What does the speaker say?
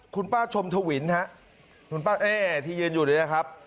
คุณป้าชมถวินนะครับที่ยืนอยู่นะครับ